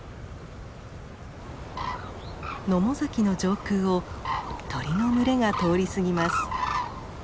野母崎の上空を鳥の群れが通り過ぎます。